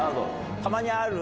たまにある？